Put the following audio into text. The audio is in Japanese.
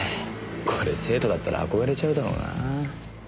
これ生徒だったら憧れちゃうだろうなぁ。